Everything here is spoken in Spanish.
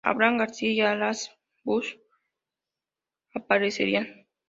Abraham García y Arantxa Bustos aparecerían.